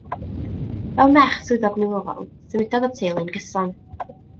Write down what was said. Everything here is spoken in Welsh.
Fel merch swyddog milwrol, symudodd y teulu'n gyson.